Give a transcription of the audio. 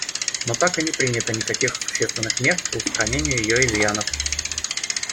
Но так и не принято никаких существенных мер по устранению ее изъянов.